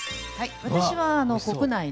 私は国内の。